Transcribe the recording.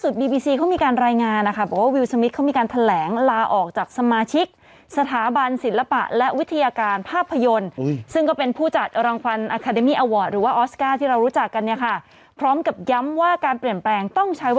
โดยส่วนใหญ่เค้าก็จะเก็บกลับไปเนี่ยแหละคนที่มาติดอะเดี๋ยวเค้าก็จะต้องเก็บไม้กลับไป